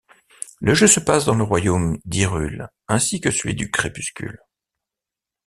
Le jeu se passe dans le royaume d'Hyrule ainsi que celui du crépuscule.